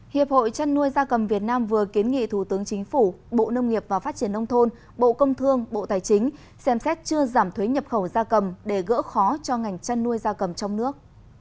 hiệp hội chăn nuôi gia cầm việt nam vừa kiến nghị thủ tướng chính phủ bộ nông nghiệp và phát triển nông thôn bộ công thương bộ tài chính xem xét chưa giảm thuế nhập khẩu gia cầm để gỡ khó cho ngành chăn nuôi da cầm trong nước